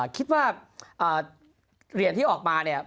คิดว่าเหรียญที่ออกมาเนี่ย